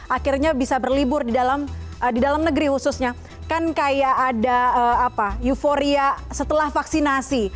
akhirnya bisa berlibur di dalam negeri khususnya kan kayak ada euforia setelah vaksinasi